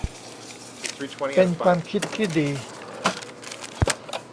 เป็นความคิดที่ดี